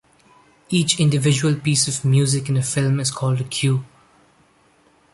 Each individual piece of music in a film is called a "cue".